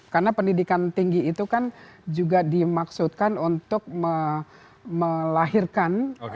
karena pendidikan tinggi itu kan juga dimaksudkan untuk melahirkan